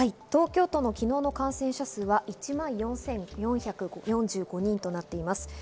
東京都の昨日の感染者数は１万４４４５人となっています。